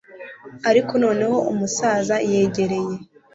Ariko noneho umusaza yegereye